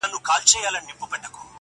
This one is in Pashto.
چي د مجنون په تلاښ ووزمه لیلا ووینم؛